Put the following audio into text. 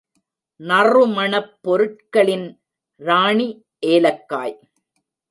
நறுமணப் பொருட்களின் ராணி ஏலக்காய்.